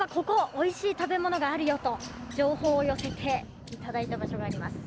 おいしい食べ物があるよと情報を寄せていただいた場所があります。